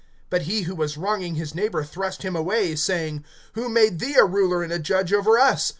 (27)But he who was wronging his neighbor thrust him away, saying: Who made thee a ruler and a judge over us?